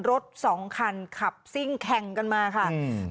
รถสองคันขับซิ่งแข่งกันมาค่ะอืม